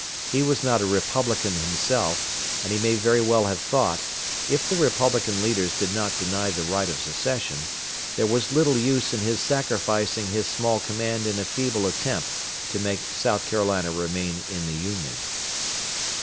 He was not a Republican himself, and he may very well have thought, if the Republican leaders did not deny the right of secession, there was little use in his sacrificing his small command in a feeble attempt to make South Carolina remain in the Union.